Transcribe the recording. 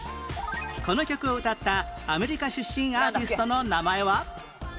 この曲を歌ったアメリカ出身アーティストの名前は？